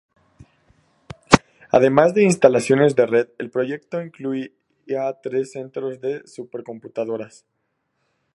Además de instalaciones de red, el proyecto incluía tres centros de supercomputadoras.